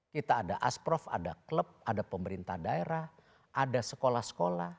kita ada asprof ada klub ada pemerintah daerah ada sekolah sekolah